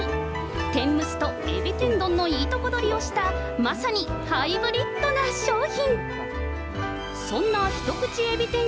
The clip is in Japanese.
天むすとエビ天丼のいいとこどりをした、まさにハイブリッドな商品。